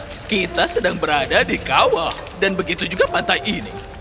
kita sedang berada di kawah dan begitu juga pantai ini